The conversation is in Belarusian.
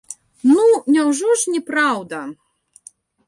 Ну, няўжо ж не праўда!